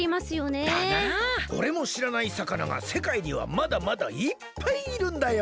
おれもしらないさかながせかいにはまだまだいっぱいいるんだよ！